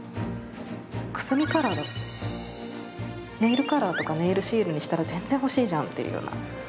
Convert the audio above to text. くすみカラーだってネイルカラーとかネイルシールにしたら全然欲しいじゃんっていうような。